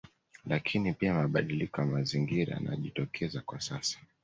Lakini pia mabadiliko ya Mazingira yanayojitokeza kwa sasa